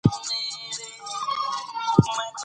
خلک به زموږ په دې ساده ګۍ پورې په تنګو کوڅو کې خاندي.